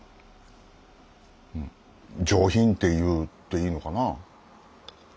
上品って言っていいのかな。